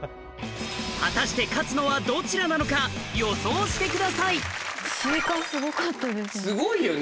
果たして勝つのはどちらなのか予想してくださいすごいよね！